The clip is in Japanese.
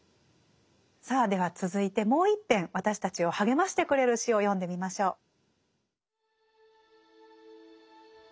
さあでは続いてもう１篇私たちを励ましてくれる詩を読んでみましょう。